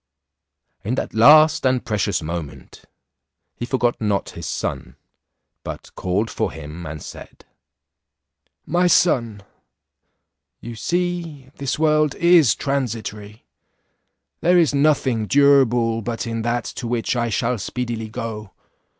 In that last and precious moment he forgot not his son, but called for him, and said, "My son, you see this world is transitory; there is nothing durable but in that to which I shall speedily go.